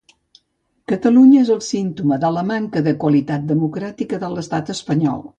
Catalunya és el símptoma de la manca de qualitat democràtica de l’estat espanyol.